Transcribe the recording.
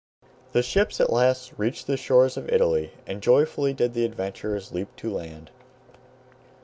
The ships at last reached the shores of Italy, and joyfully did the adventurers leap to land.